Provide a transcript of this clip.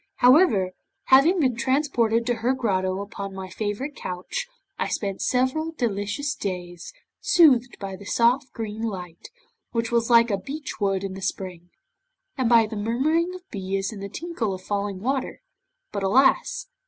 However, having been transported to her grotto upon my favourite couch, I spent several delicious days, soothed by the soft green light, which was like a beech wood in the spring, and by the murmuring of bees and the tinkle of falling water. But alas!